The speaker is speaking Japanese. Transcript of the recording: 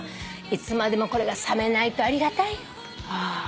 いつまでもこれが冷めないとありがたいよ。